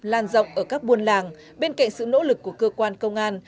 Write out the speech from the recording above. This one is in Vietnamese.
làn dọc ở các buôn làng bên cạnh sự nỗ lực của cơ quan công an